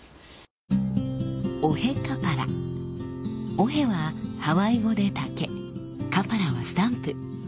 「オヘ」はハワイ語で「竹」「カパラ」は「スタンプ」。